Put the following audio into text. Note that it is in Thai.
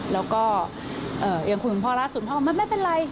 แล้วก็ยังคุยคุณพ่อล่าสุดพ่อบอกไม่เป็นไร